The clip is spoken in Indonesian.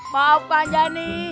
maaf kak anjani